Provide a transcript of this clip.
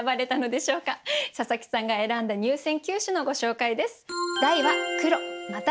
佐佐木さんが選んだ入選九首のご紹介です。